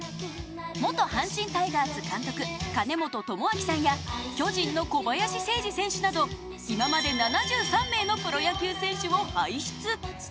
元阪神タイガース監督、金本知憲さんや巨人の小林誠司選手など今まで７３名のプロ野球選手を輩出。